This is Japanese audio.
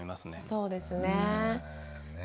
そうですね。